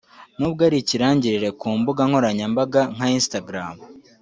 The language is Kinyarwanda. n’ubwo ari ikirangirire ku mbuga nkoranyambaga nka Instagram